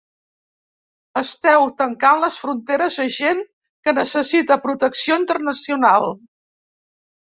Esteu tancant les fronteres a gent que necessita protecció internacional.